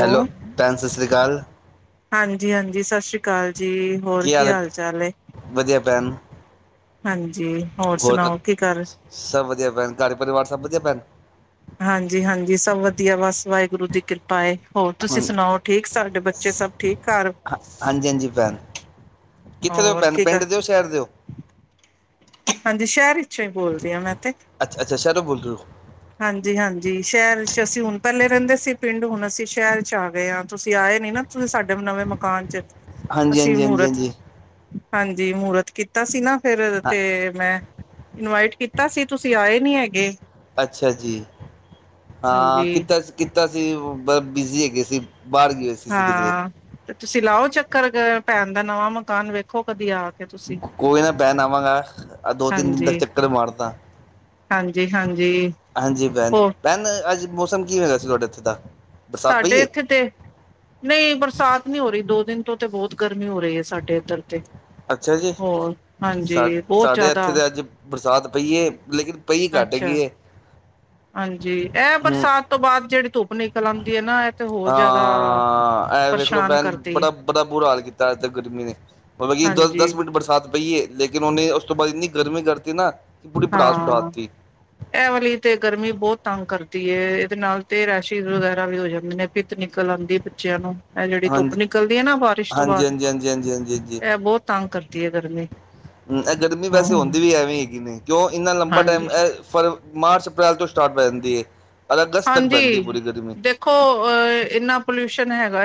Hello, ਭੈਣ ਸਤਿ ਸ਼੍ਰੀ ਅਕਾਲ। ਹਾਂਜੀ ਹਾਂਜੀ, ਸਤਿ ਸ਼੍ਰੀ ਅਕਾਲ ਜੀ। ਹੋਰ ਕੀ ਹਾਲ ਚਾਲ ਹੈ। ਵਧੀਆ ਭੈਨ- ਹਾਂਜੀ ਹੋਰ ਕ ਸੁਣਾਓ ਕੀ ਕਰ ਸਭ ਵਧੀਆ ਪੈਣ, ਘਰ ਪਰਿਵਾਰ ਸਭ ਵਧੀਆ ਪੈਣ ਹਾਂਜੀ ਹਾਂਜੀ ਸਭ ਵਧੀਆ, ਬਸ ਵਾਹਿਗੁਰੂ ਦੀ ਕਿਰਪਾ ਹੋਰ ਹਾਂ ਤੁਸੀਂ ਸੁਣਾਓ ਠੀਕ, ਸਾਡੇ ਬੱਚੇ ਸਭ ਠੀਕ ਘਰ ਹਾਂ ਹਾਂਜੀ ਹਾਂਜੀ ਭੈਣ, ਕਿੱਥੇ ਦੇ ਹੋ ਹੋਰ ਭੈਣ ਕੀ ਕਰ ਪਿੰਡ ਦੇ ਹੋ ਸ਼ਹਿਰ ਦੇ ਹੋ ਹਾਂਜੀ ਸ਼ਹਿਰ ਚੋਂ ਹੀ ਬੋਲਦੀ ਹਾਂ ਮੈਂ ਤੇ ਅੱਛਾ-ਅੱਛਾ ਸ਼ਹਿਰੋਂ ਬੋਲ ਰਹੇ ਹੋ। ਹਾਂਜੀ ਹਾਂਜੀ ਸ਼ਹਿਰ ਚ ਅਸੀਂ ਹੁਣ ਪਹਿਲੇ ਰਹਿੰਦੇ ਸੀ ਪਿੰਡ ਹੁਣ ਅਸੀਂ ਸ਼ਹਿਰ ਚ ਆ ਗਏ ਆ ਤੁਸੀਂ ਆਏ ਨੀ ਨਾ। ਤੁਸੀਂ ਸਾਡੇ ਵੀ ਨਵੇਂ ਮਕਾਨ ਚ ਹਾਂਜੀ ਅਸੀਂ ਹਾਂਜੀ ਹਾਂਜੀ ਮੂਰਤ, ਹਾਂਜੀ ਹਾਂਜੀ ਮੂਰਤ ਕੀਤਾ ਸੀ ਨਾ ਫੇਰ ਹਾਂ ਤੇ ਮੈਂ ਇਨਵਾਈਟ ਕੀਤਾ ਸੀ ਤੁਸੀਂ ਆਏ ਨੀ ਹੈਗੇ। ਅੱਛਾ ਜੀ ਹਾਂ ਹਾਂਜੀ ਕਿੱਦਾਂ ਕੀਤਾ ਸੀ ਓ ਬ ਬਿਜੀ ਹੈਗੇ ਸੀ ਬਾਹਰ ਗਏ ਹੋਏ ਸੀ ਸੀ ਕਿਧਰੇ ਹਾਂ ਤੇ ਤੁਸੀਂ ਲਾਓ ਚੱਕਰ ਪੈਣ ਦਾ ਨਵਾਂ ਮਕਾਨ ਵੇਖੋ ਕਦੀ ਆ ਕੇ ਤੁਸੀਂ ਕੋਈ ਨਾ ਭੈਣ ਆਵਾਂਗਾ ਆਹ ਦੋ ਤਿੰਨ ਦਿਨ ਤੱਕ ਹਾਂਜੀ ਚੱਕਰ ਮਾਰਦਾ। ਹਾਂਜੀ ਹਾਂਜੀ ਹਾਂਜੀ ਭੈਣ ਹੋਰ ਭੈਣ ਅੱਜ ਮੌਸਮ ਕੀ ਹੋਇਆ ਸੀ ਥੋਡੇ ਇੱਥੇ ਦਾ। ਬਰਸਾਤ ਸਾਡੇ ਪਈ ਹੈ ਇੱਥੇ ਤੇ ਨਹੀਂ ਬਰਸਾਤ ਨਹੀਂ ਹੋ ਰਹੀ ਦੋ ਦਿਨ ਤੋਂ ਤੇ ਬਹੁਤ ਗਰਮੀ ਹੋ ਰਹੀ ਹੈ ਸਾਡੇ ਇੱਧਰ ਤੇ ਅੱਛਾ ਜੀ ਹੋਰ ਸਾ ਹਾਂਜੀ ਬਹੁਤ ਸਾਡੇ ਜ਼ਿਆਦਾ ਇੱਥੇ ਤਾਂ ਅੱਜ ਬਰਸਾਤ ਪਈ ਏ। ਲੇਕਿਨ ਪਈ ਘੱਟ ਅੱਛਾ ਹੈਗੀ ਏ। ਹਾਂਜੀ ਐਹ ਹੂੰ ਬਰਸਾਤ ਤੋਂ ਬਾਅਦ ਜਿਹੜੀ ਧੁੱਪ ਨਿਕਲ ਆਂਦੀ ਐ ਨਾ ਤੇ ਹੋਰ ਜ਼ਿਆਦਾ ਹਾਂ ਐ ਵੇਖ ਲੋ ਪਰੇਸ਼ਾਨ ਭੈਣ ਕਰਦੀ ਬੜਾ ਬੜਾ ਬੁਰਾ ਹਾਲ ਕੀਤਾ ਏ [unintelligible] ਗਰਮੀ ਨੇ। [unintelligible] ਪਈ ਹਾਂਜੀ ਦਸ-ਦਸ ਮਿੰਟ ਬਰਸਾਤ ਪਈ ਏ ਲੇਕਿਨ ਉਹਨੇ ਉਸ ਤੋਂ ਬਾਅਦ ਇੰਨੀ ਗਰਮੀ ਕਰਤੀ ਨਾ ਕਿ ਪੂਰੀ ਪੜਾਸ ਉਠਾ ਹਾਂ। ਤੀ ਇਹ ਵਾਲੀ ਤੇ ਗਰਮੀ ਬਹੁਤ ਤੰਗ ਕਰਦੀ ਇਹਦੇ ਨਾਲ ਤੇ ਰਸ਼ਿ ਵਗੈਰਾ ਵੀ ਹੋ ਜਾਂਦੇ ਨੇ ਪਿੱਤ ਨਿਕਲ ਆਂਦੀ ਬੱਚਿਆਂ ਨੂੰ ਇਹ ਜਿਹੜੀ ਧੁੱਪ ਹਾਂਜੀ ਨਿਕਲਦੀ ਹੈ ਨਾ ਬਾਰਿਸ਼ ਤੋਂ ਹਾਂਜੀ ਬਾਅਦ ਹਾਂਜੀ ਹਾਂਜੀ ਹਾਂਜੀ ਹਾਂਜੀ ਹਾਂਜੀ। ਇਹ ਬਹੁਤ ਤੰਗ ਕਰਦੀ ਏ ਗਰਮੀ ਗਰਮੀ ਵੈਸੇ ਹਾਂ ਹੁੰਦੀ ਵੀ ਐਵੇਂ ਹੈਗੀ ਨਹੀਂ ਕਿਉਂ ਇੰਨਾ ਲੰਬਾ ਟਾਈਮ ਹਾਂਜੀ ਐ ਫਰ, ਮਾਰਚ, ਅਪ੍ਰੈਲ ਤੋਂ ਸਟਾਰਟ ਪੈ ਜਾਂਦੀ ਹੈ ਔਰ ਅਗਸਤ ਤੱਕ ਪੈਂਦੀ ਹੈ ਹਾਂਜੀ ਪੂਰੀ ਗਰਮੀ। ਦੇਖੋ ਅ ਇੰਨਾ ਪੋਲਿਊਸ਼ਨ ਹੈਗਾ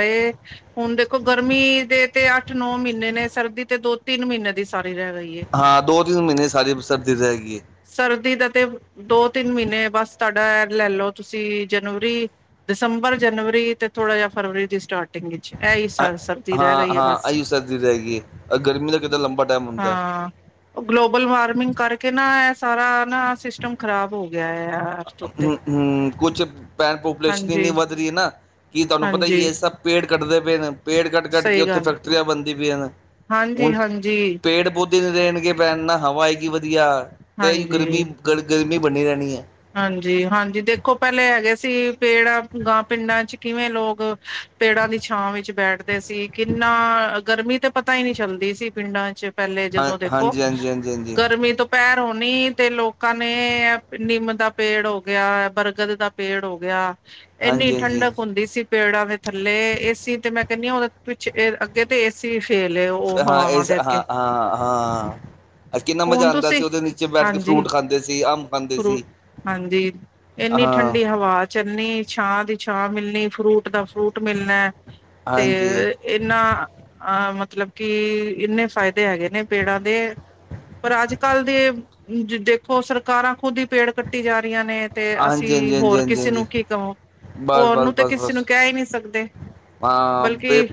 ਹੁਣ ਦੇਖੋ ਗਰਮੀ ਦੇ ਤੇ ਅੱਠ ਨੌ ਮਹੀਨੇ ਨੇ ਸਰਦੀ ਤੇ ਦੋ ਤਿੰਨ ਮਹੀਨੇ ਦੀ ਸਾਰੀ ਰਹਿ ਗਈ ਏ। ਹਾਂ ਦੋ ਤਿੰਨ ਮਹੀਨੇ ਸਾਰੀ ਸਰਦੀ ਰਹਿ ਗਈ ਏ। ਸਰਦੀ ਦਾ ਤੇ ਦੋ ਤਿੰਨ ਮਹੀਨੇ ਬਸ ਤੁਹਾਡਾ ਲੈ ਲਓ ਤੁਸੀਂ ਜਨਵਰੀ ਦਸੰਬਰ ਜਨਵਰੀ ਤੇ ਥੋੜਾ ਜਿਹਾ ਫਰਵਰੀ ਦੀ ਸਟਾਰਟ ਟਿੰਗ 'ਚ ਇਹੀ ਸਰਦੀ ਰਹਿ ਹਾਂ ਗਈ ਹੈ ਹਾਂ ਬਸ ਆਹੀ ਸਰਦੀ ਰਹਿ ਗਈ ਹੈ ਗਰਮੀ ਦਾ ਕਿੱਦਾਂ ਲੰਬਾ ਟਾਈਮ ਹੁੰਦਾ ਹਾਂ। ਗਲੋਬਲ ਵਾਰਮਿੰਗ ਕਰਕੇ ਨਾ ਇਹ ਸਾਰਾ ਨਾ ਸਿਸਟਮ ਖਰਾਬ ਹੋ ਗਿਆ ਆ। ਹੂੰ-ਹੂੰ ਕੁਛ ਭੈਣ ਪੇ ਪੂਲੇਸ਼ਨ ਇੰਨੀ ਹਾਂਜੀ ਵੱਧ ਰਹੀ ਹੈ ਨਾ ਕਿ ਤੁਹਾਨੂੰ ਪਤਾ ਹਾਂਜੀ ਇਹ ਸਭ ਪੇੜ ਕੱਢਦੇ ਪਏ ਨੇ ਪੇੜ ਕੱਟ-ਕੱਟ ਕੇ ਸਹੀ ਉੱਥੇ ਗੱਲ ਫੈਕਟਰੀਆਂ ਬਣਦੀ ਪਈਆਂ ਨੇ ਹਾਂਜੀ ਹੁਣ ਹਾਂਜੀ ਪੇੜ-ਪੌਦੇ ਦਿਨ ਰਹਿਣ ਕੇ ਭੈਣ ਨਾ ਹਵਾ ਆਏਗੀ ਵਧੀਆ ਅਤੇ ਗਰਮੀ ਗਰ ਗਰਮੀ ਬਣੀ ਰਹਿਣੀ ਏ। ਹਾਂਜੀ-ਹਾਂਜੀ ਦੇਖੋ ਪਹਿਲੇ ਹੈਗੇ ਸੀ ਪੇੜ ਗਾਂ ਪਿੰਡਾਂ ਚ ਕਿਵੇਂ ਲੋਕ ਪੇੜਾਂ ਦੀ ਛਾਂ ਵਿੱਚ ਬੈਠਦੇ ਤੇ ਸੀ ਕਿੰਨਾ ਗਰਮੀ ਤੇ ਪਤਾ ਈ ਨੀ ਚੱਲਦੀ ਸੀ ਪਿੰਡਾਂ ਚ। ਪੈਲੇ ਹਾਂ ਜਦੋਂ ਦੇਖੋ, ਹਾਂਜੀ ਹਾਂਜੀ ਹਾਂਜੀ ਹਾਂਜੀ ਗਰਮੀ ਤੋਂ ਪੇਰ ਹੋਣੀ ਤੇ ਲੋਕਾਂ ਨੇ ਨਿੰਮ ਦਾ ਪੇੜ ਹੋ ਗਿਆ ਬਰਗਦ ਦਾ ਪੇੜ ਹੋ ਗਿਆ ਇੰਨੀ ਹਾਂਜੀ ਹਾਂਜੀ ਠੰਡਕ ਹਾਂਜੀ ਹੁੰਦੀ ਸੀ। ਪੇੜਾਂ ਦੇ ਥੱਲੇ ਏਸੀ ਤੇ ਮੈਂ ਕੈਨੀ ਆ ਔਦੇ ਪਿੱਛੇ ਏਰ ਅਗ ਏ ਤੇ ਏਸੀ ਵੀ ਫੇਲ ਏ ਔ ਹਾਂ ਹਵਾਵਾਂ ਇਸ ਦੇ ਅੱਗੇ ਹਾਂ ਹਾਂ ਹਾਂ ਕਿੰਨਾ ਮਜ਼ਾ ਹੁਣ ਆਂਦਾ ਸੀ ਤੁਸੀਂ ਉਹਦੇ ਨੀਚੇ ਬੈਠ ਕੇ ਹਾਂਜੀ ਫਰੂਟ ਖਾਂਦੇ ਸੀ ਅੰਬ ਖਾਂਦੇ ਫਰੂਟ ਸੀ। ਹਾਂਜੀ ਇੰਨੀ ਹਾਂ ਠੰਡੀ ਹਵਾ ਆ ਚੰਨੀ ਛਾਂ ਦੀ ਛਾਂ ਮਿਲਣੀ ਫਰੂਟ ਦਾ ਫਰੂਟ ਮਿਲਣਾ ਤੇ ਹਾਂਜੀ ਇੰਨਾ ਅਹ ਮਤਲਬ ਕਿ ਇੰਨੇ ਫਾਇਦੇ ਹੈਗੇ ਨੇ ਪੇੜਾਂ ਦੇ ਪਰ ਅੱਜ-ਕੱਲ ਦੇ ਦੇਖੋ ਸਰਕਾਰਾਂ ਖੁਦ ਈ ਪੇੜ ਕੱਟੀ ਜਾ ਰਹੀਆਂ ਨੇ। ਤੇ ਹਾਂਜੀ ਹਾਂਜੀ ਅਸੀਂ ਹਾਂਜੀ ਹੋਰ ਹਾਂਜੀ ਕਿਸੇ ਨੂੰ ਹਾਂਜੀ ਕੀ ਕਹੋ, ਬਸ ਹੋਰ ਬਸ ਨੂੰ ਤੇ ਬਸ ਕਿਸੇ ਨੂੰ ਬਸ ਕੈ ਈ ਨੀ ਸਕਦੇ। ਹਾਂ ਪੇ ਬਲਕਿ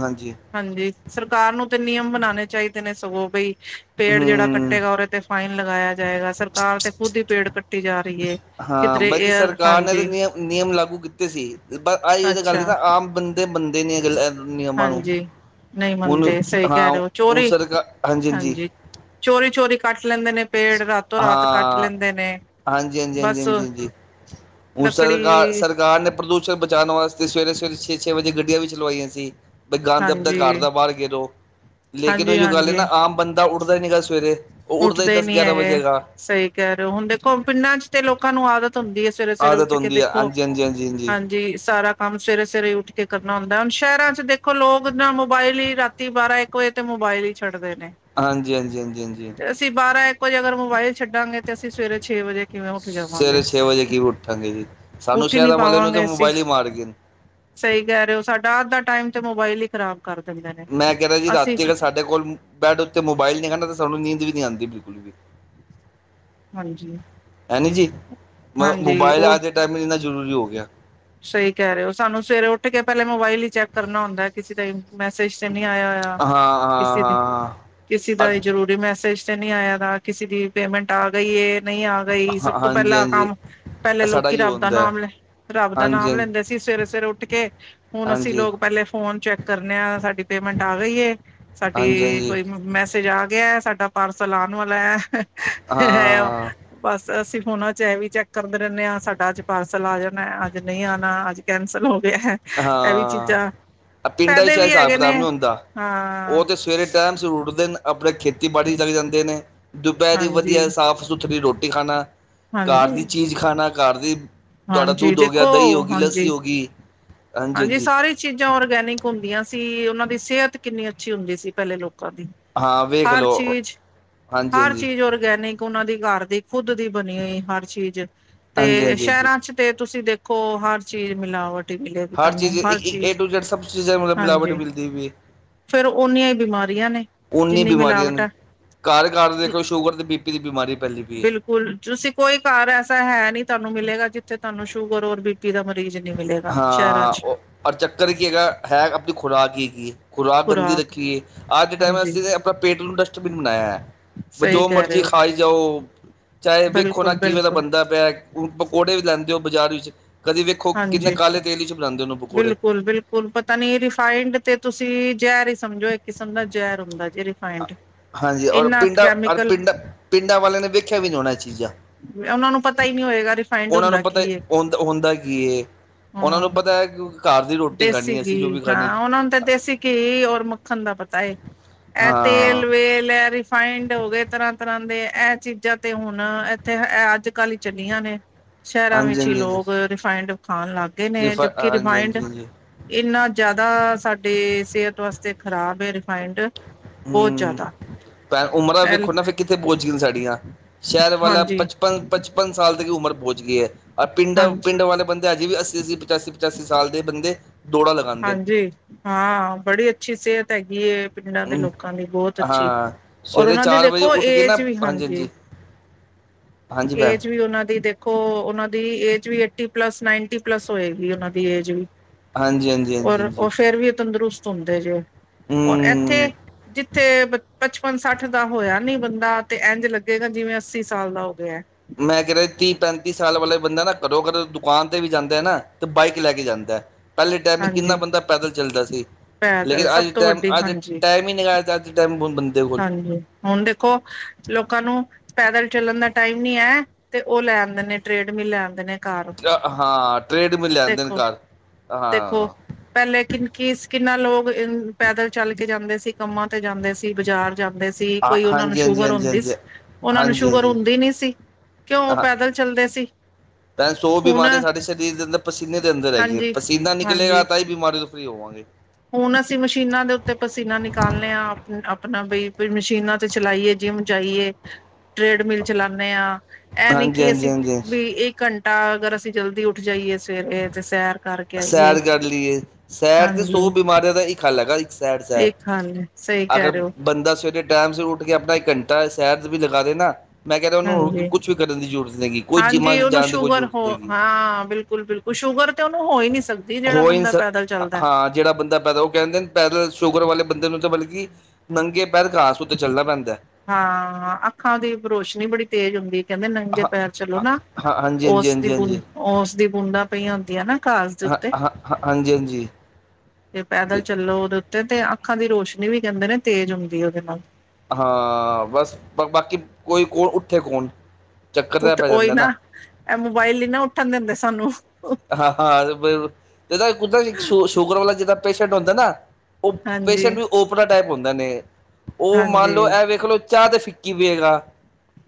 ਹਾਂਜੀ। ਹਾਂਜੀ ਸਰਕਾਰ ਨੂੰ ਤੇ ਨਿਯਮ ਬਣਾਨੇ ਚਾਹੀਦੇ ਨੇ ਸਗੋਂ ਬਈ ਪੇੜ ਜਿਹੜਾ ਹਮ ਕੱਟੇਗਾ ਉਰੇ ਤੇ ਫਾਈਨ ਲਗਾਇਆ ਜਾਏਗਾ ਸਰਕਾਰ ਤੇ ਖੁਦ ਹੀ ਪੇੜ ਕੱਟੀ ਜਾ ਰਹੀ ਏ। ਹਾਂ ਕਿਧਰੇ ਬਲਕਿ ਏਅਰ ਸਰਕਾਰ ਨੇ ਤੇ ਹਾਂਜੀ ਨਿਯਮ ਨਿਯਮ ਲਾਗੂ ਕੀਤੇ ਸੀ ਪਰ ਆਈ ਤਾਂ ਗੱਲ ਐ ਅੱਛਾ ਨਾ ਆਮ ਬੰਦਾ ਤੇ ਬੰਦੇ ਨੇ ਅਗਰ ਅ ਹਾਂਜੀ ਨਹੀਂ ਮਨੂੰ ਮੰਨਦੇ [unintelligible] ਸਹੀ ਹਾਂ ਕਹਿ ਰਹੇ ਹੋ ਉਸਰ ਹਾਂਜੀ- ਹਾਂਜੀ। ਚੋਰੀ-ਚੋਰੀ ਕੱਟ ਲੈਂਦੇ ਨੇ। ਪੇੜ ਰਾਤੋਂ ਰਾਤ ਕੱਟ ਹਾਂ, ਲੈਂਦੇ ਨੇ ਹਾਂਜੀ -ਹਾਂਜੀ -ਹਾਂਜੀ ਬਸ -ਹਾਂਜੀ ਜੀ। ਹੁਣ ਲੱਕੜੀ ਸਰਕਾਰ-ਸਰਕਾਰ ਨੇ ਪ੍ਰਦੂਸ਼ਣ ਬਚਾਉਣ ਵਾਸਤੇ ਸਵੇਰੇ-ਸਵੇਰੇ ਛੇ-ਛੇ ਵਜੇ ਗੱਡੀਆਂ ਵੀ ਚਲਵਾਈਆਂ ਸੀ। ਬਈ ਗੰ ਦਬ ਦਾ ਹਾਂਜੀ ਘਰ ਦਾ ਬਾਹਰ ਗਰੋ ਲੇਕਿਨ ਉਹ ਹਾਂਜੀ ਜੋ ਗੱਲ ਹੈ ਹਾਂਜੀ ਨਾ ਆਮ ਬੰਦੇ ਤਦ ਉੱਠਦਾ ਹੀ ਨੀ ਗਾ ਸਵੇਰੇ ਉਹ ਉੱਠਦਾ ਹੀ ਉੱਠਦੇ ਦਸ ਨੀ ਗਿਆਰਾਂ ਹੈਗੇ। ਵਜੇਗਾ। ਸਹੀ ਕਹਿ ਰਹੇ ਹੋ ਹੁਣ ਦੇਖੋ ਪਿੰਡਾਂ 'ਚ ਤੇ ਲੋਕਾਂ ਨੂੰ ਆਦਤ ਹੁੰਦੀ ਹੈ। ਸਵੇਰੇ ਸਵੇਰੇ ਆਦਤ ਉੱਠ ਕੇ ਹੁੰਦੀ ਹੈ ਦੇਖੋ ਹਾਂਜੀ ਹਾਂਜੀ ਹਾਂਜੀ ਹਾਂਜੀ ਹਾਂ ਜੀ ਸਾਰਾ ਕੰਮ ਸਵੇਰੇ-ਸਵੇਰੇ ਉੱਠ ਕੇ ਕਰਨਾ ਹੁੰਦਾ, ਹੁਣ ਸ਼ਹਿਰਾਂ ਚ ਦੇਖੋ ਲੋਕ ਨਾ ਮੋਬਾਇਲ ਈ ਰਾਤੀ ਬਾਰਾਂ-ਇੱਕ ਕੋਈ ਤੇ ਮੋਬਾਇਲ ਈ ਛੱਡਦੇ ਨੇ ਹਾਂਜੀ-ਹਾਂਜੀ-ਹਾਂਜੀ-ਹਾਂਜੀ ਤੇ ਅਸੀਂ ਬਾਰਾਂ ਇੱਕ ਵਜੇ ਅਗਰ ਮੋਬਾਇਲ ਛੱਡਾਂਗੇ ਤੇ ਅਸੀਂ ਸਵੇਰੇ ਛੇ ਵਜੇ ਕਿਵੇਂ ਉਠ ਸਵੇਰੇ ਜਾਵਾਂਗੇ ਛੇ ਵਜੇ ਕਿਵੇਂ ਉੱਠਾਂਗੇ ਜੀ ਸਾਨੂੰ ਉਠ ਨਹੀ ਸ਼ਹਿਰਾਂ ਵਾਲੇ ਨੂੰ ਤਾਂ ਪਾਵਾਂਗੇ ਅਸੀਂ ਮੋਬਾਇਲ ਹੀ ਮਾਰ ਗਏ ਸਹੀ ਕਹਿ ਰਹੇ ਹੋ ਸਾਡਾ ਅੱਜ ਦਾ ਟਾਈਮ ਤੇ ਮੋਬਾਇਲ ਹੀ ਖਰਾਬ ਕਰ ਦਿੰਦੇ ਨੇ। ਮੈਂ ਕੈ ਰਿ ਆ ਜੀ ਅਸੀਂ ਰਾਤੀ ਅਗਰ ਸਾਡੇ ਕੋਲ ਬੈਡ ਉਤੇ ਮੋਬਾਈਲ ਨੀ ਹੈਗਾ ਨਾ ਸਾਨੂੰ ਨੀਂਦ ਵੀ ਨੀ ਆਂਦੀ ਬਿਲਕੁਲ ਵੀ। ਹਾਂਜੀ, ਹੈਨੀ ਜੀ ਮ ਹਾਂਜੀ ਮੋਬਾਇਲ ਉਹ ਅੱਜ ਦੇ ਟਾਈਮ ਇੰਨਾ ਜ਼ਰੂਰੀ ਹੋ ਗਿਆ। ਸਹੀ ਕਹਿ ਰਹੇ ਹੋ ਸਾਨੂੰ ਸਵੇਰੇ ਉਠ ਕੇ ਪਹਿਲੇ ਮੋਬਾਇਲ ਹੀ ਚੈੱਕ ਕਰਨਾ ਹੁੰਦਾ ਕਿਸੇ ਦਾ ਮੈਸੇਜ ਤੇ ਨਹੀਂ ਆਇਆ ਹੋਇਆ ਹਾਂ ਹਾਂ ਕਿਸੇ ਦੇ ਹਾਂ ਕਿਸੇ ਦਾ ਇਹ ਜ਼ਰੂਰ ਮੈਸੇਜ ਤੇ ਨੀ ਆਇਆ ਗਾ ਕਿਸੇ ਦੀ ਪੇਮੈਂਟ ਆ ਗਈ ਏ ਨਹੀਂ ਆ ਰਹੀ ਸਭ ਹਾਂ ਤੋਂ ਹਾਂਜੀ ਪਹਿਲਾਂ ਹਾਂਜੀ ਕੰਮ ਪਹਿਲੇ ਸਾਡਾ ਲੋਕੀ ਹੀ ਰੱਬ ਦਾ ਹੁੰਦਾ ਹੈ ਨਾਮ ਲੈ ਰੱਬ ਦਾ ਹਾਂਜੀ ਨਾਮ ਹਾਂਜੀ ਲੈਂਦੇ ਸੀ ਸਵੇਰੇ-ਸਵੇਰੇ ਉੱਠ ਕੇ ਹੁਣ ਅਸੀਂ ਹਾਂਜੀ ਲੋਕ ਪਹਿਲੇ ਫੋਨ ਚੈੱਕ ਕਰਨੇ ਆ ਸਾਡੀ ਪੇਮੈਂਟ ਆ ਗਈ ਏ ਹਾਂਜੀ ਸਾਡੀ ਹਾਂਜੀ ਕੋਈ ਮੈਸੇਜ ਆ ਗਿਆ ਹੈ ਸਾਡਾ ਪਾਰਸਲ ਆਣ ਵਾਲਾ ਹੈ [inaudible] ਹਾਂ ਉਹ ਬਸ ਅਸੀਂ ਫੋਨਾਂ ਚ ਐਹ ਵੀ ਚੈੱਕ ਕਰਦੇ ਰਹਿਣੇ ਆ ਸਾਡਾ ਅੱਜ ਪਾਰਸਲ ਆ ਜਾਣਾ ਐ ਅੱਜ। ਅੱਜ ਨਹੀਂ ਆਂਣਾ ਅੱਜ ਕੈਂਸਲ ਹੋ ਗਿਆ ਹੈ। ਇਹ ਵੀ ਚੀਜ਼ਾਂ ਹਾਂ ਪਿੰਡਾਂ ਫਾਇਦੇ 'ਚ ਵੀ ਹਿਸਾਬ ਹੈਗੇ ਕਿਤਾਬ ਨੇ ਨਹੀਂ ਹੁੰਦਾ ਹਾਂ ਉਹ ਤੇ ਸਵੇਰੇ ਟਾਈਮ ਸ ਉਠਦੇ ਨੇ ਆਪਣੇ ਖੇਤੀਬਾੜੀ ਚੱਕ ਜਾਂਦੇ ਨੇ। ਦੁਪਹਿਰੀ ਹਾਂਜੀ ਵਧੀਆ ਸਾਫ਼-ਸੁਥਰੀ ਰੋਟੀ ਖਾਣਾ, ਘਰ ਹਾਂਜੀ ਦੀ ਚੀਜ਼ ਖਾਣਾ, ਘਰ ਦੀ ਤੁਹਾਡਾ ਹਾਂਜੀ ਦੁਧ ਹੋ ਦੇਖੋ ਗਿਆ, ਦਹੀਂ ਹੋਗੀ, ਲੱਸੀ ਹਾਂਜੀ ਹੋਗੀ ਹਾਂਜੀ ਸਾਰੀ ਚੀਜ਼ਾਂ ਔਰਗੈਨਿਕ ਹੁੰਦੀਆਂ ਸੀ ਉਹਨਾਂ ਦੀ ਸਿਹਤ ਕਿੰਨੀ ਅੱਛੀ ਹੁੰਦੀ ਸੀ ਪਹਿਲੇ ਲੋਕਾਂ ਦੀ। ਹਾਂ ਵੇਖ ਹਰ ਲਓ ਹਾਂਜੀ ਚੀਜ਼-ਹਰ ਹਾਂਜੀ ਚੀਜ਼ ਔਰਗੈਨਿਕ ਉਹਨਾਂ ਦੀ ਘਰ ਦੀ ਖੁੱਦ ਦੀ ਬਣੀ ਹੋਈ ਹਰ ਚੀਜ਼ ਹਾਂਜੀ ਤੇ ਹਾਂਜੀ ਹਾਂਜੀ ਸ਼ਹਿਰਾਂ 'ਚ ਤੇ ਤੁਸੀਂ ਦੇਖੋ, ਹਰ ਚੀਜ਼ ਮਿਲਾਵਟ ਹੀ ਮਿਲੇ। ਹਰ ਚੀਜ਼ ਏ ਏ ਏ ਟੂ ਜੈਡ ਸਭ ਚੀਜ਼ਾ ਮਤਲਬ ਮਿਲਾਵਟ ਹਾਂਜੀ ਮਿਲਦੀ ਏ ਫੇਰ ਔਨੀਆਂ ਈ ਬਿਮਾਰੀਆਂ ਨੇ, ਜਿੰਨੀ ਮਿਲਾਵਟੈ। ਘਰ-ਘਰ ਦੇਖੋ ਸ਼ੂਗਰ ਤੇ ਬੀ ਪੀ ਦੀ ਬਿਮਾਰੀ ਫੈਲੀ ਦੀ ਬਿਲਕੁਲ ਤੁਸੀਂ ਕੋਈ ਘਰ ਐਸਾ ਹੈ ਨਹੀਂ ਤੁਹਾਨੂੰ ਮਿਲੇਗਾ ਜਿੱਥੇ ਤੁਹਾਨੂੰ ਸ਼ੂਗਰ ਔਰ ਬੀ-ਪੀ ਕਿਦਾ ਮਰੀਜ਼ ਨੀ ਮਿਲੇਗਾ ਸ਼ਹਿਰਾ ਅ ਔ ਔਰ ਚੱਕਰ ਕੀ ਐਗਾ ਹੈ ਆਪਣੀ ਖੁਰਾਕੀ ਕੀ ਖੁਰਾਕ ਗੰਦੀ ਰੱਖੀ ਏ। ਅੱਜ ਦੇ ਟਾਈਮ ਹਾਂਜੀ ਅਸੀਂ ਆਪਣਾ ਪੇਟ ਨੂੰ ਡਸਟਬਿਨ ਬਣਾਇਆ ਹੈ ਵੀ ਸਹੀ ਜੋ ਕਹਿ ਰਹੇ ਮਰਜ਼ੀ ਹੋ ਖਾਈ ਜਾਓ। ਚਾਹੇ ਵੇਖੋ ਨਾ ਕਿਵੇਂ ਦਾ ਬਿਲਕੁਲ-ਬਿਲਕੁਲ ਬਣਦਾ ਪਿਆ ਹ ਪਕੌੜੇ ਵੀ ਲੈਂਦੇ ਹੋ ਬਾਜ਼ਾਰ ਵਿੱਚ ਕਦੇ ਵੇਖੋ ਕਿੰਨੇ ਹਾਂਜੀ ਕਾਲੇ ਤੇਲ ਚ ਬਨਾਦੇ ਔ ਪਕੌੜੇ। ਹੁਣ ਪਤਾ ਨੀ ਰਿਫਾਈੰਡ ਤੇ ਤੁਸੀਂ ਜਹਿਰ ਹੀ ਸਮਝੋ ਇੱਕ ਕਿਸਮ ਦਾ ਜੈਰ ਹੁੰਦਾ ਜੇ ਰਿਫਾਇੰਡ ਹਾਂਜੀ ਔਰ ਇੰਨਾ ਪਿੰਡਾਂ, ਔਰ ਕੈਮੀਕਲ ਪਿੰਡਾਂ ਪਿੰਡਾਂ ਵਾਲਿਆਂ ਨੇ ਵੇਖਿਆ ਵੀ ਨਹੀਂ ਹੋਣੀਆ ਇਹ ਚੀਜ਼ਾਂ। ਉਹਨਾਂ ਨੂੰ ਪਤਾ ਹੀ ਨਹੀਂ ਹੋਏਗਾ ਰਿਫਾਇੰਡ ਉਹਨਾਂ ਹੁੰਦਾ ਨੂੰ ਪਤਾ ਹੀ ਹੁੰਦਾ ਕੀ। ਉਹਨਾਂ ਨੂੰ ਹਮ ਪਤਾ ਹੈ ਕਿ ਘਰ ਦੀ ਰੋਟੀ ਖਾਣੀ ਦੇਸੀ ਹੈ, ਘੀ ਅਸੀਂ ਜੋ ਵੀ ਖਾਣੀ ਹਾਂ ਉਹਨਾਂ ਨੂੰ ਤੇ ਦੇਸੀ ਘੀ ਔਰ ਮੱਖਣ ਦਾ ਪਤਾ ਇਹ ਤੇਲ ਹਾਂ ਵੇਲ ਰਿਫਾਇੰਡ ਹੋ ਗਏ ਤਰ੍ਹਾਂ ਤਰ੍ਹਾਂ ਦੇ ਇਹ ਚੀਜ਼ਾਂ ਤੇ ਹੁਣ ਇੱਥੇ ਅੱਜ ਕੱਲ੍ਹ ਹੀ ਚੱਲੀਆਂ ਨੇ ਸ਼ਹਿਰਾਂ ਹਾਂਜੀ ਵਿੱਚ ਹੀ ਹਾਂਜੀ ਹਾਂਜੀ ਲੋਕ ਰਿਫਾਇੰਡ ਖਾਣ ਲੱਗ ਗਏ ਨੇ ਰਿਫ ਜਬਕੀ ਹਾਂਜੀ ਰਿਫਾਇੰਡ ਹਾਂਜੀ ਹਾਂਜੀ ਇੰਨਾ ਜ਼ਿਆਦਾ ਸਾਡੇ ਸਿਹਤ ਵਾਸਤੇ ਖਰਾਬ ਹੈ ਰਿਫਾਇੰਡ ਬਹੁਤ ਹੂੰ ਜ਼ਿਆਦਾ। ਭੈਣ ਉਮਰਾਂ ਪਹਿਲ ਵੇਖੋ ਨਾ ਫਿਰ ਕਿੱਥੇ ਪੋਚਗੀ ਸਾਡੀਆਂ ਸ਼ਹਿਰ ਵਾਲਾ ਹਾਂਜੀ ਪਚਪਨ ਪਚਪਨ ਪੰਜ ਸਾਲ ਤੱਕ ਉਮਰ ਪਹੁੰਚ ਗਈ ਹੈ ਪਿੰਡਾਂ ਹਾਂਜੀ ਪਿੰਡ ਵਾਲੇ ਬੰਦੇ ਹਜੇ ਵੀ ਅੱਸੀ ਅੱਸੀ ਪਚਾਸੀ ਪਚਾਸੀ ਸਾਲ ਦੇ ਬੰਦੇ ਦੌੜਾ ਲਗਾਣਾ ਹਾਂਜੀ ਹਾਂ ਬੜੀ ਅੱਛੀ ਸਿਹਤ ਹੈਗੀਏ ਪਿੰਡਾਂ ਦੇ ਨੇ ਲੋਕਾਂ ਦੀ ਬਹੁਤ ਅੱਛੀ ਹਾਂ ਔਰ ਸਵੇਰੇ ਉਹਨਾਂ ਦੀ ਚਾਰ ਵਜੇ ਦੇਖੋ ਉੱਠ ਕੇ ਨਾ ਏਜ ਵੀ ਹਾਂਜੀ ਹਾਂਜੀ ਭੈਣ ਏਜ ਵੀ ਉਹਨਾਂ ਦੀ ਦੇ ਦੇਖੋ ਉਹਨਾਂ ਦੀ ਏਜ ਵੀ ਏਟੀ ਪਲੱਸ ਨਾਈਨਟੀ ਪਲੱਸ ਹੋਏ ਗਈ ਉਹਨਾਂ ਦੀ ਏਜ ਵੀ ਹਾਂਜੀ-ਹਾਂਜ ਔਰ ਉਹ ਫੇਰ ਵੀ ਉਹ ਤੰਦਰੁਸਤ ਹੁੰਦੇ ਜੇ ਔਰ ਇੱਥੇ ਹੂੰ ਜਿੱਥੇ ਪਚਪਨ ਸੱਠ ਦਾ ਹੋਇਆ ਨੀ ਬੰਦਾ ਤੇ ਐੰਜ ਲੱਗੇਗਾ ਜਿਵੇਂ ਅੱਸੀ ਸਾਲ ਦਾ ਹੋ ਗਿਆ ਮੈਂ ਕਹਿ ਰਾ ਤੀਹ ਪੈਂਤੀ ਸਾਲ ਵਾਲੇ ਬੰਦਾ ਨਾ ਕਦੋ ਅਗਰ ਦੁਕਾਨ ਤੇ ਵੀ ਜਾਂਦਾ ਹੈ ਨਾ ਤੇ ਬਾਈਕ ਲੈ ਕੇ ਜਾਂਦਾ ਪਹਿਲੇ ਟਾਈਮ ਕਿੰਨਾ ਹਾਂਜੀ ਬੰਦਾ ਪੈਦਲ ਚੱਲਦਾ ਸੀ ਲੇਕਿਨ ਪੈਦਲ ਸਭ ਅੱਜ ਤੋਂ ਟਾਈਮ ਵੱਡੀ ਅੱਜ ਹਾਂਜੀ ਟਾਈਮ ਨੱਗਾ ਅੱਜ ਟਾਈਮ ਬ ਬ ਹਾਂਜੀ। ਹੁਣ ਦੇਖੋ ਲੋਕਾਂ ਨੂੰ ਪੈਦਲ ਚੱਲਣ ਦਾ ਟਾਈਮ ਨੀ ਹੈ ਤੇ ਉਹ ਲੈ ਆਉਂਦੇ ਨੇ ਟ੍ਰੇਡ ਮਿਲ ਲੈ ਆਂਦੇ ਨੇ। ਘਰ ਕਿਆ ਹਾਂ ਟ੍ਰੈਡ ਮਿਲ ਲਿਆਂਦੇ ਨੇ ਦੇਖੋ ਘਰ। ਦੇਖੋ ਹਾਂ ਪਹਿਲੇ ਕਿਨ ਕੀ ਸੀ ਕਿੰਨਾ ਲੋਕ ਪੈਦਲ ਚੱਲ ਕੇ ਜਾਂਦੇ ਸੀ। ਕੰਮਾਂ ਤੇ ਜਾਂਦੇ ਸੀ। ਕਿ ਬਾਜ਼ਾਰ ਜਾਂਦੇ ਸੀ। ਕੋਈ ਉਹਨਾ ਨੂੰ ਹਾਂਜੀ ਹਾਂਜੀ ਸ਼ੂਗਰ ਹਾਂਜੀ ਹੁੰਦੀ ਹਾਂਜੀ ਸੀ। ਉਹਨਾ ਨੂੰ ਹਾਂਜੀ ਸ਼ੂਗਰ ਹਾਂਜੀ ਹੁੰਦੀ ਨੀ ਸੀ। ਕਿਉ ਹਾਂ ਪੈਦਲ ਚੱਲਦੇ ਸੀ। ਸੌ ਹੁਣ ਬਿਮਾਰੀਆਂ ਸਾਡੇ ਸਰੀਰ ਦੇ ਅੰਦਰ ਪਸੀਨੇ ਦੇ ਅੰਦਰ ਹੈਗੀਆਂ ਹਾਂਜੀ ਪਸੀਨਾ ਕੱਲ ਹਾਂਜੀ ਤਾਂ ਹੀ ਬਿਮਾਰੀ ਤੋਂ ਫਰੀ ਹੋਵਾਂਗੇ। ਹੁਣ ਅਸੀਂ ਮਸ਼ੀਨਾਂ ਦੇ ਉੱਤੇ ਪਸੀਨਾ ਨਿਕਾਲਣੇ ਹਾਂ ਆਪਣਾ ਬਈ ਮਸ਼ੀਨਾਂ ਤੇ ਚਲਾਈਏ ਜਿਮ ਜਾਈਏ ਟ੍ਰੇਡਮਿਲ ਚਲਾਉਣਦੇ ਹਾਂ ਇਹ ਨੀ ਹਾਂਜੀ ਕਿ ਹਾਂਜੀ ਅਸੀਂ ਹਾਂਜੀ ਵੀ ਇੱਕ ਘੰਟਾ ਅਗਰ ਅਸੀਂ ਜਲਦੀ ਉੱਠ ਜਾਈਏ ਸਵੇਰੇ ਤੇ ਸੈਰ ਕਰਕੇ ਆਈਏ ਸੈਰ ਕਰ ਲਈਏ। ਸੈਰ ਚ ਹਾਂਜੀ ਸੌ ਬਿਮਾਰੀਆਂ ਦਾ ਇਕ ਹੱਲ ਹੈਗਾ ਇਕ। ਸਾਡ ਸਾਰ ਇੱਕ ਹਾਲ ਹੈ, ਸਹੀ ਅਗਰ ਕਹਿ ਰਹੇ ਹੋ ਬੰਦਾ ਸਵੇਰੇ ਟੈਮ ਉੱਠਦਾ ਕਿ ਆਪਣਾ ਇਕ ਘੰਟਾ ਸੈਰ ਚ ਵੀ ਲਗਾ ਦੇ ਨਾ ਮੈਂ ਕਹਿ ਰਿਹਾ ਉਹਨੂੰ ਹਾਂਜੀ ਕੁਛ ਵੀ ਕਰਨ ਦੀ ਜ਼ਰੂਰਤ ਨਹੀ ਹੈ ਗਈ ਕੋਈ ਜਿੰਮਾਂ ਹਾਂਜੀ ਜਾਣ ਦੀ ਕੋਈ ਜ਼ਰੂਰਤ ਨਹੀ ਹੈ ਗਈ। ਬਿਲਕੁੱਲ ਬਿਲਕੁੱਲ ਸ਼ੂਗਰ ਤੇ ਉਹਨੂੰ ਹੋ ਹੀ ਨੀ ਸਕਦੀ ਜਿਹੜਾ ਹੋ ਇਨ ਬੰਦਾ ਪੈਦਲ ਚਲਦਾ। ਹਾਂ ਜਿਹੜਾ ਬੰਦਾ ਪੈਦਲ--ਉਹ ਕਹਿੰਦੇ ਨ ਪੈਦਲ ਸ਼ੂਗਰ ਵਾਲੇ ਬੰਦੇ ਨੂੰ ਤੇ ਬਲਕਿ ਨੰਗੇ ਪੈਰ ਘਾਸ ਉੱਤੇ ਚੱਲਣਾ ਪੈਂਦਾ। ਹਾਂ ਅੱਖਾਂ ਦੀ ਰੋਸ਼ਨੀ ਬੜੀ ਤੇਜ਼ ਹੁੰਦੀ ਕਹਿੰਦੇ ਨੰਗੇ ਹਾਂ ਪੈਰ ਚਲੋ ਨਾ। ਹਾਂ ਹਾਂਜੀ ਹਾਂਜੀ ਓਸਦੀ ਹਾਂਜੀ ਬ ਹਾਂਜੀ ਓਸਦੀ ਬੂੰਦਾਂ ਪਈਆਂ ਹੁੰਦੀਆਂ ਨਾ ਘਾਸ ਦੇ ਹਾਂ ਉੱਤੇ। ਹਾਂ ਹਾਂਜੀ ਹਾਂਜੀ ਤੇ ਪੈਦਲ ਚੱਲੋ ਉਹਦੇ ਉੱਤੇ ਤੇ ਅੱਖਾਂ ਦੀ ਰੋਸ਼ਨੀ ਵੀ ਕਹਿੰਦੇ ਨੇ ਤੇਜ਼ ਹੁੰਦੀ ਉਹਦੇ ਨਾਲ ਹਾਂ ਬਸ ਬਾਕੀ ਕੋਈ ਕਣ ਉੱਥੇ ਕੌਣ? ਚੱਕਰ ਤਾਂ ਉੱਠ ਪੈ ਓਈ ਜਾਂਦਾ ਨਾ। ਇਹ ਮੋਬਾਇਲ ਨੀ ਨਾ ਉੱਠਣ ਦਿੰਦੇ ਸਾਨੂੰ। ਹਾ- ਹਾ ਤੇ ਨਾ ਕੁਦਰਤੀ ਸ਼ੂਗਰ ਵਾਲਾ ਜੇੜਾ ਪੇਸ਼ਅੰਟ ਹੁੰਦਾ ਨਾ ਉਹ ਹਾਂਜੀ ਪੇਸ਼ੈਂਟ ਵੀ ਓਪਰਾ ਟਾਈਪ ਹੁੰਦਾ ਨੇ ਉਹ ਮੰਨ ਹਾਂਜੀ ਲਓ ਇਹ ਵੇਖ ਲੋ ਚਾਹ ਤੇ ਫਿਕੀ ਵੇਗਾ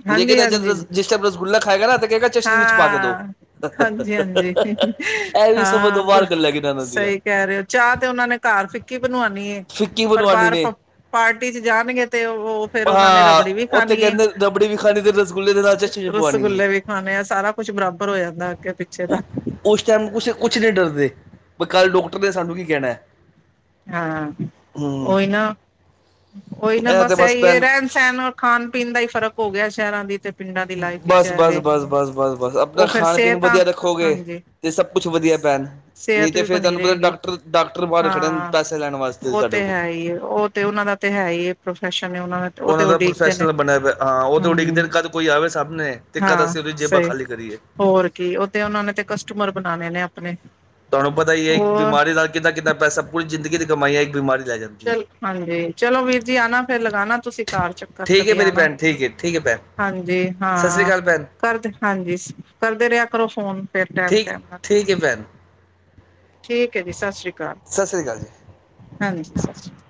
ਹਾਂਜੀ ਲੇਕਿਨ ਜਦ ਹਾਂਜੀ ਜਿਸ ਟਾਈਮ ਰਸਗੁਲਾ ਖਾਏਗਾ ਨਾ ਤੇ ਕਹੇਗਾ ਚਸ਼ਨੀ ਵਿੱਚ ਪਾ ਕੇ ਦੋ ਹਾਂ ਹ ਹਾਂਜੀ ਹ ਹਾਂ, ਪਰ ਗੱਲਾਂ ਕਿਨਾਂ ਇਹਨਾਂ ਦੀਆਂ ਸਹੀ ਕਹਿ ਰਹੇ ਹੋ ਚਾਹ ਤੇ ਉਹਨਾਂ ਨੇ ਘਰ ਫਿੱਕੀ ਬਣਵਾਉਣੀ ਹੈ, ਫਿੱਕੀ ਪਰ ਬਣਵਾਣੀ ਬਾਰ ਨੇ ਪਾਰਟੀ ਚ ਜਾਣਗੇ ਤੇ ਉਹ ਫਿਰ ਉਹਨਾਂ ਨੇ ਹਾਂ ਰਬੜੀ ਵੀ ਉੱਥੇ ਖਾਣੀ ਹੈ ਚੀਨੀ ਪਵਾਨੀ ਏ ਰਸਗੁੱਲੇ ਵੀ ਖਾਣੇ, ਸਾਰਾ ਕੁੱਛ ਬਰਾਬਰ ਹੋ ਜਾਂਦਾ ਅੱਗੇ ਪਿੱਛੇ ਉ- ਦਾ- ਉਸ ਟਾਈਮ ਕੁਛ ਕੁਛ ਨਹੀਂ ਡਰਦੇ ਬ ਕੱਲ੍ ਡਾਕਟਰ ਨੇ ਸਾਨੂੰ ਕੀ ਕਹਿਣਾ ਹਾਂ ਹੂੰ ਉਹੀ ਨਾ ਉਹੀ ਨਾ, ਇਹ ਤੇ ਬਸ ਇਹੀ ਭੈਣ ਰਹਿਣ ਸਹਿਣ ਖਾਣ ਪੀਣ ਦਾ ਹੀ ਫਰਕ ਹੋ ਗਿਆ ਸ਼ਹਿਰਾਂ ਦੀ ਤੇ, ਪਿੰਡਾਂ ਦੀ ਲਾਈਫ ਵਿੱਚ ਬਸ, ਬਸ ਐਵੇਂ ਬਸ, ਬਸ ਬਸ, ਬਸ ਆਪਣਾ ਉਹ ਫਿਰ ਖਾਣ ਪੀਣ ਸਿਹਤ ਆ ਵਧੀਆ ਰੱਖੋ ਗਏ ਹਾਂਜੀ ਤੇ ਸਭ ਕੁਛ ਵਧੀਆ ਭੈਣ, ਨਹੀਂ ਸਿਹਤ ਤੇ ਵੀ ਫੇਰ ਬਣੀ ਤੁਹਾਨੂੰ ਪਤਾ ਰਹੇਗੀ ਡਾਕਟਰ ਡਾਕਟਰ ਬਾਹਰ ਖੜੇੈ ਹਾਂ ਉਹ ਤੇ ਹੈ ਈ ਏ ਉਹ ਤੇ ਉਹਨਾਂ ਦਾ ਤੇ ਹੈ ਈ ਏ, ਪ੍ਰੋਫੈਸ਼ਨ ਏ ਉਹਨਾ ਦਾ। ਉਹ ਤੇ ਉਡੀਕ ਪ੍ਰੋਫੈਸ਼ਨਲ ਬਣਿਆ ਪਿਆ ਹਾਂ। ਉਹ ਤੇ ਉਡੀਕਦੇ ਨੇ ਕਦ ਕੋਈ ਆਵੇ ਤੇ ਕਦ ਹਾਂ ਅਸੀਂ ਉਹਦੀ ਜੇਬਾਂ ਸਹੀ ਖਾਲੀ ਕਰੀਏ। ਹੋਰ ਕੀ, ਉਹਦੇ ਉਹਨਾਂ ਨੇ ਤੇ ਕਸਟਮਰ ਬਣਾਣੇ ਨੇ ਆਪਣੇ- ਤੁਹਾਨੂੰ ਪਤਾ ਈ ਏ ਏਕ ਹੋਰ ਬਿਮਾਰੀ ਨਾਲ ਕਿਦਾ ਕਿਦਾ ਪੈਸਾ, ਪੂਰੀ ਜਿੰਦਗੀ ਦੀ ਕਮਾਈ ਹੈ ਏਕ ਬਿਮਾਰੀ ਲੈ ਜਾਂਦੀ। ਹੈ ਚੱਲ ਹਾਂਜੀ, ਚਲੋ ਵੀਰ ਜੀ ਆਣਾ ਫਿਰ ਲਗਾਉਣਾ ਤੁਸੀਂ ਘਰ ਚੱਕਰ, ਠੀਕ ਹੈ ਕਦੇ ਮੇਰੀ ਆਣਾ ਭੈਣ ਠੀਕ ਹੈ ਠੀਕ ਹੈ ਭੈਣ ਹਾਂਜੀ ਸਤਿ ਸ੍ਰੀ ਹਾਂ, ਅਕਾਲ ਭੈਣ ਕਰਦੇ ਹਾਂਜੀ ਕਰਦੇ ਰਿਆ ਕਰੋ ਫੋਨ। ਫਿਰ ਟੈਮ ਠੀਕ ਟੈਮ ਨਾਲ ਠੀਕ ਹੈ, ਭੈਣ- ਠੀਕ ਹੈ ਜੀ ਸਤਿ ਸ਼੍ਰੀ ਅਕਾਲ, ਸਤਿ ਸ੍ਰੀ ਅਕਾਲ ਜੀ ਹਾਂਜੀ ਜੀ ਸਤਿ ਸ਼੍ਰੀ ਅਕਾਲ